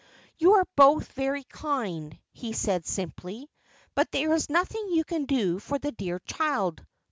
"You are both very kind," he said, simply, "but there is nothing you can do for the dear child.